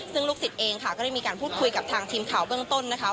ซึ่งลูกศิษย์เองค่ะก็ได้มีการพูดคุยกับทางทีมข่าวเบื้องต้นนะคะ